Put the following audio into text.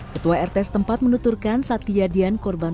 ketua rt setempat menuturkan saat kejadian korban